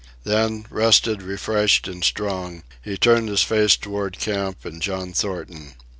Then, rested, refreshed and strong, he turned his face toward camp and John Thornton.